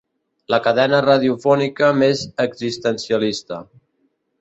La cadena radiofònica més existencialista.